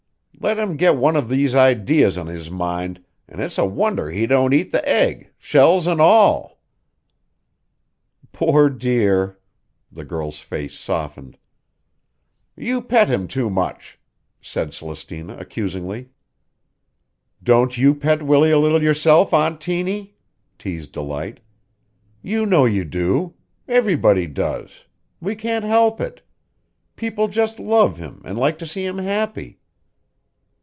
Let him get one of these ideas on his mind an' it's a wonder he don't eat the egg, shells an' all." "Poor dear!" The girl's face softened. "You pet him too much," said Celestina accusingly. "Don't you pet Willie a little yourself, Aunt Tiny?" teased Delight. "You know you do. Everybody does. We can't help it. People just love him and like to see him happy."